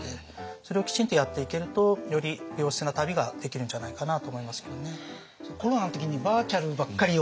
それをきちんとやっていけるとより良質な旅ができるんじゃないかなと思いますけどね。